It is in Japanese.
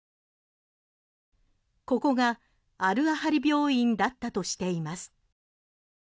ここがアル・アハリ病院だったとしています。